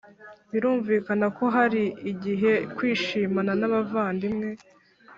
Birumvikana ko hari igihe kwishimana n abavandimwe